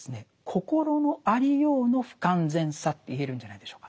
心のありようの不完全さと言えるんじゃないでしょうか。